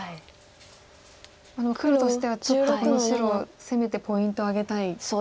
でも黒としてはちょっとこの白を攻めてポイントを挙げたいとこですか。